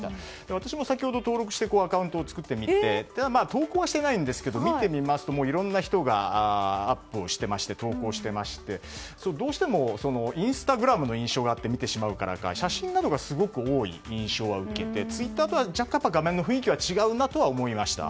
私も先ほど登録してアカウントを作ってみて投稿はしていないんですが見てみますといろんな人が投稿してましてどうしてもインスタグラムの印象があって見てしまうからか写真などがすごく多い印象を受けてツイッターとは若干画面の雰囲気は違うと思いました。